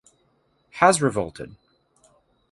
Has revolted.